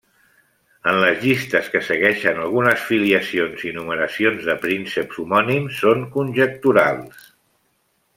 En les llistes que segueixen algunes filiacions i numeracions de prínceps homònims són conjecturals.